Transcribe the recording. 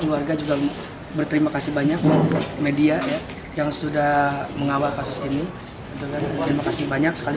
keluarga juga berterima kasih banyak media yang sudah mengawal kasus ini terima kasih banyak sekali